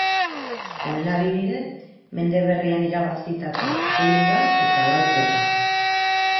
Honen adibide mende berrian irabazitako sei Liga eta lau Kopa.